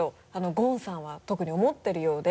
ゴンさんは特に思っているようで。